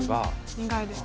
意外ですね。